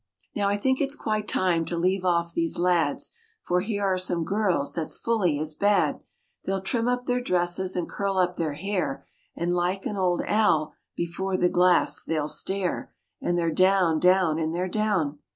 Now I think it's quite time to leave off these lads For here are some girls that's fully as bad; They'll trim up their dresses and curl up their hair, And like an old owl before the glass they'll stare, And they're down, down, and they're down.